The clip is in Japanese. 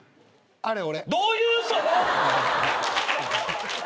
あれ俺。